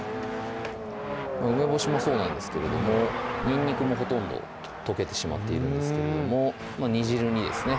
梅干しもそうなんですけれどもにんにくもほとんど溶けてしまっているんですけども煮汁にですね